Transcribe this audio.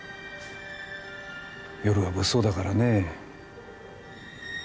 夜は物騒だからねえ